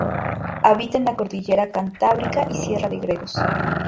Habita en la Cordillera Cantábrica y Sierra de Gredos.